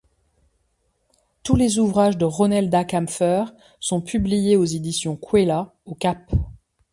Tous les ouvrages de Ronelda Kamfer sont publiés aux éditions Kwela, au Cap.